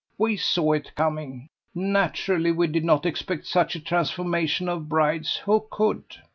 We saw it coming. Naturally we did not expect such a transformation of brides: who could?